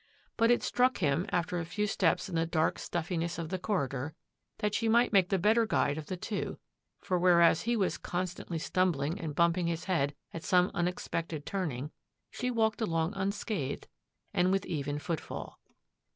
But it struck him, after a few steps in the dark stuffiness of the corridor, that she might make the better guide of the two, for whereas he was constantly stumbling and bumping his head at some unexpected turning, she walked along un scathed and with even footfall.